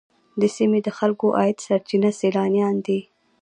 د سیمې د خلکو د عاید سرچینه سیلانیان دي.